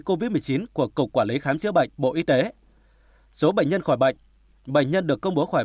covid một mươi chín của cục quản lý khám chữa bệnh bộ y tế số bệnh nhân khỏi bệnh bệnh nhân được công bố khỏi